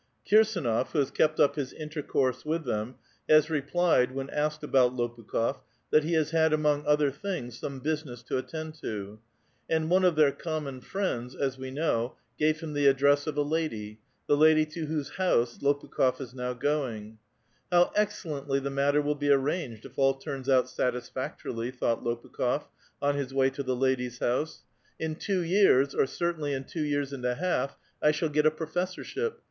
Kir sdDof, who has kept up his intercourse with them, has re plied, when asked about Lopukh6f, that he has had among other things, some business to attend to ; and one of their common friends, as we know, gave him the address of a lady, the lady to whose house Lopukh6f is now going. ^^ How excellently the matter will be arranged, if all turns out satisfactorily," thought Lopukh6f on his way to the lady's house. '•• In two years, or certainly in two years and a half, I shall get a professorship.